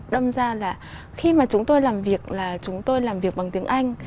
đâm ra là khi mà chúng tôi làm việc là chúng tôi làm việc bằng tiếng anh